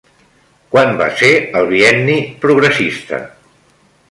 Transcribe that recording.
Quan va ser el Bienni Progressista?